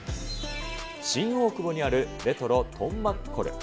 新大久保にあるレトロトンマッコル。